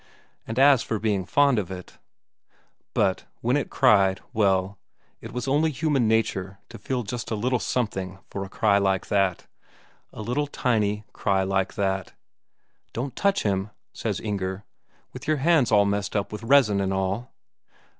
And as for being fond of it ... But when it cried, well, it was only human nature to feel just a little something for a cry like that; a little tiny cry like that. "Don't touch him!" says Inger. "With your hands all messed up with resin and all!"